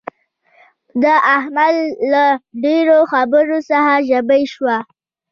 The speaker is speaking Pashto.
د احمد له ډېرو خبرو څخه ژبۍ شوه.